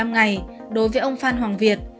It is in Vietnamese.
một mươi ngày đối với ông phan hoàng việt